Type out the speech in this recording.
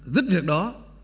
rất việc đó